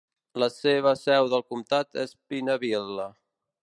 La seva seu del comtat és Pineville.